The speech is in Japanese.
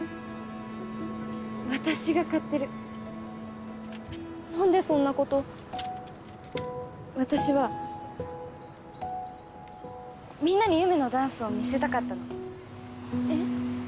私が買ってるなんでそんなこと私はみんなにゆめのダンスを見せたかったのえっ？